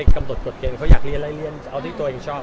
ก็กดเกรงเขาอยากเรียนลายเรียนเอาทีคุณตัวเองชอบ